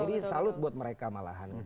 jadi salut buat mereka malahan